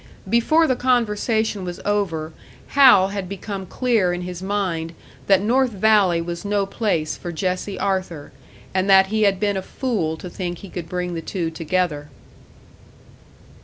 Before the conversation was over Hal had become clear in his mind that North Valley was no place for Jessie Arthur, and that he had been a fool to think he could bring the two together.